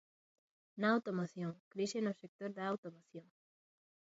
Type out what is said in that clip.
Na automoción, crise no sector da automoción.